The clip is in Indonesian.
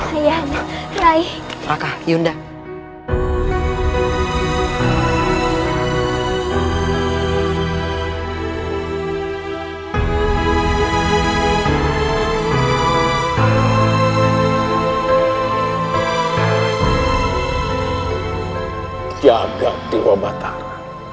aku sangat senang memiliki kalian semua